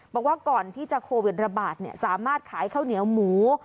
บอกว่าก่อนที่จะโควิดระบาดสามารถขายข้าวเหนียวหมู